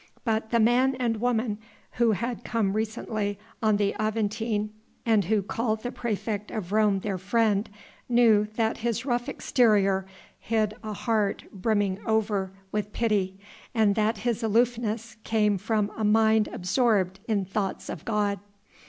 But the man and woman who had come recently on the Aventine and who called the praefect of Rome their friend, knew that his rough exterior hid a heart brimming over with pity, and that his aloofness came from a mind absorbed in thoughts of God.